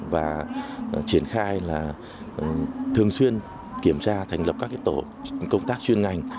và triển khai là thường xuyên kiểm tra thành lập các tổ công tác chuyên ngành